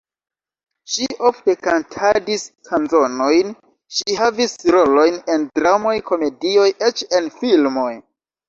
Ŝi ofte kantadis kanzonojn, ŝi havis rolojn en dramoj, komedioj, eĉ en filmoj.